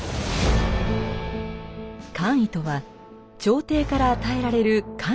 官位とは朝廷から与えられる官職のこと。